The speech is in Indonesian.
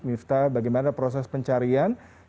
mifta bagaimana proses pencarian